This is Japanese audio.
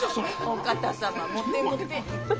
お方様モテモテ。